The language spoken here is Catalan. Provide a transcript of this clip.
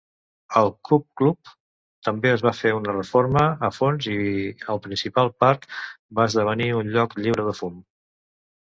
Al Cub Club també es va fer una reforma a fons i el Principal Park va esdevenir un lloc lliure de fum.